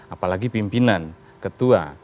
apalagi pimpinan ketua